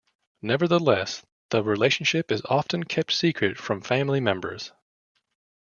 Nevertheless, the relationship is often kept secret from family members.